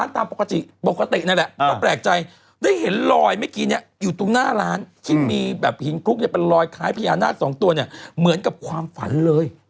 ที่มีแบบหินคุกเนี่ยเป็นลอยคล้ายพยานาสองตัวเนี่ยเหมือนกับความฝันเลย